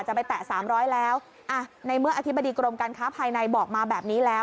ไปแตะ๓๐๐แล้วอ่ะในเมื่ออธิบดีกรมการค้าภายในบอกมาแบบนี้แล้ว